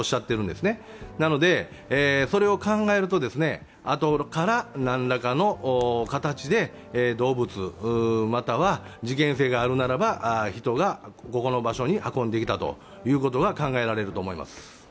ですので、それを考えるとあとから何らかの形で動物、または事件性があるならば、人がここの場所に運んできたということが考えられると思います。